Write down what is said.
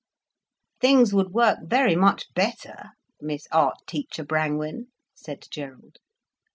"Things would work very much better, Miss Art Teacher Brangwen," said Gerald.